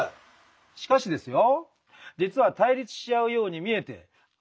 しかしですよ